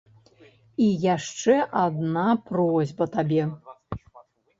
І яшчэ адна просьба табе.